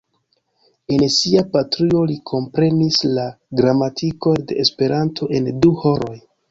En sia patrujo li komprenis la gramatikon de Esperanto en du horoj.